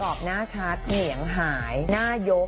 หน้าชัดเหนียงหายหน้ายก